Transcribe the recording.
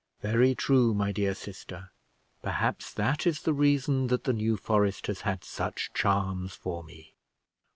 "Very true, my dear sister; perhaps that is the reason that the New Forest has had such charms for me."